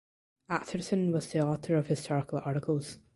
Atherton was an author of historical articles.